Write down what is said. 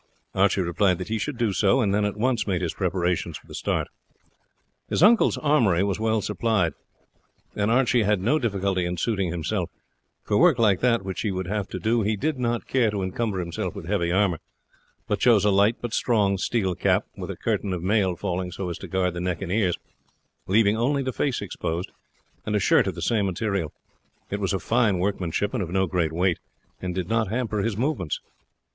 Archie replied that he should do so, and then at once made his preparations for the start. His uncle's armoury was well supplied, and Archie had no difficulty in suiting himself. For work like that which he would have to do he did not care to encumber himself with heavy armour, but chose a light but strong steel cap, with a curtain of mail falling so as to guard the neck and ears, leaving only the face exposed, and a shirt of the same material. It was of fine workmanship and of no great weight, and did not hamper his movements.